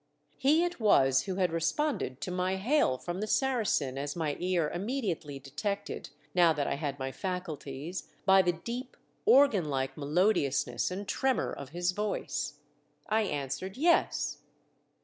He it was who had responded to my hail from the Saracen, as my ear immediately detected — now that I had my faculties — by the deep, organ like melodiousness and tremor of his voice. I answered " Yes."